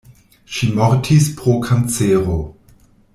Ŝi mortis pro kancero.